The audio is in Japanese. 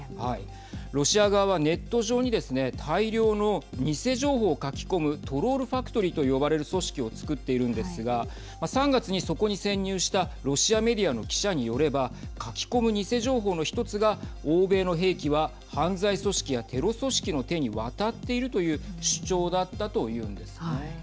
ロシア側はネット上にですね大量の偽情報を書き込むトロール・ファクトリーと呼ばれる組織をつくっているんですが３月にそこに潜入したロシアメディアの記者によれば書き込む偽情報の一つが欧米の兵器は犯罪組織やテロ組織の手に渡っているという主張だったというんですね。